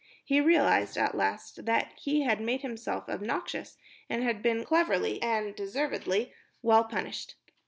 He realized at last that he had made himself obnoxious and had been cleverly and deservedly well punished.